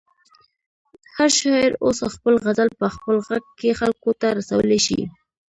هر شاعر اوس خپل غزل په خپل غږ کې خلکو ته رسولی شي.